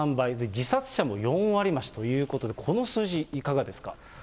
自殺者も４割増しということで、この数字、いかがですか。